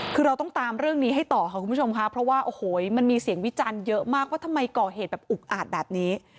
คือเราต้องตามเรื่องนี้ให้ต่อค่ะคุณผู้ชมค่ะเพราะว่าโอ้โหมันมีเสียงวิจารณ์เยอะมากว่าทำไมก่อเหตุแบบอุกอาจแบบนี้